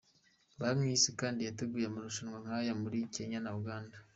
Banki y’Isi kandi yateguye amarushanwa nk’aya muri Kenya na Uganda.